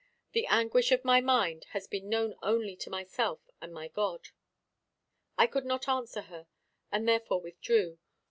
The anguish of my mind has been known only to myself and my God." I could not answer her, and therefore withdrew.